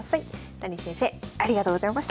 ダニー先生ありがとうございました。